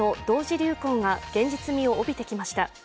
流行が現実味を帯びてきました。